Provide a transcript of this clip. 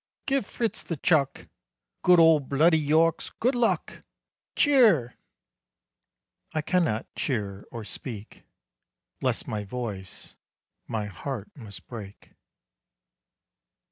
"Give Fritz the chuck." "Good ol' bloody Yorks!" "Good luck!" "Cheer!" I cannot cheer or speak Lest my voice, my heart must break.